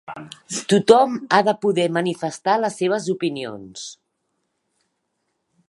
Tothom ha de poder manifestar les seves opinions.